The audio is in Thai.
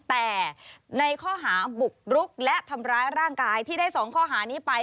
แต่ในข้อหาบุกรุกและทำร้ายร่างกายที่ได้๒ข้อหานี้ไป